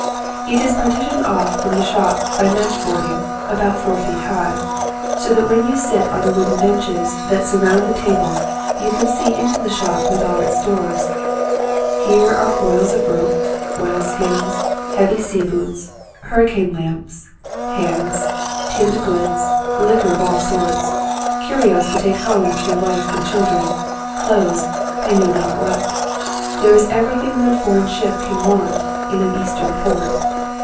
It is partitioned off from the shop by matchboarding, about four feet high, so that when you sit on the wooden benches that sur round the table you can see into the shop with all its stores. Here are coils of rope, oilskins, heavy sea boots, hurricane lamps, hams, tinned goods, liquor of all sorts, curios to take home to your wife and children, clothes, I know not what. There is everything that a foreign ship can want in an Eastern port.